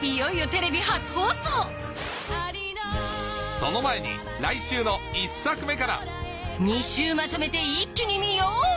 その前に来週の１作目から２週まとめて一気に見よう